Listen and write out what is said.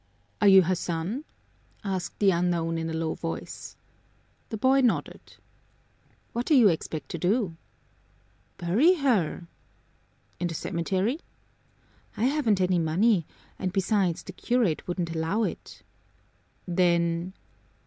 "Are you her son?" asked the unknown in a low voice. The boy nodded. "What do you expect to do?" "Bury her!" "In the cemetery?" "I haven't any money and, besides, the curate wouldn't allow it." "Then?"